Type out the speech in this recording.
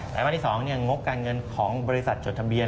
ไตมาสที่สองงบการเงินของบริษัทจดทะเบียน